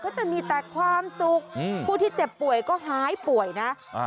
จะมีแต่ความสุขผู้ที่เจ็บป่วยก็หายป่วยนะ